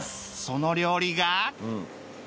その料理が